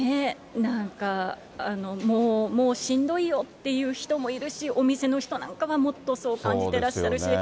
なんか、もう、しんどいよっていう人もいるし、お店の人なんかはもっとそう感じてらっしゃるし。